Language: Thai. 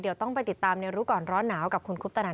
เดี๋ยวต้องไปติดตามในรู้ก่อนร้อนหนาวกับคุณคุปตนัน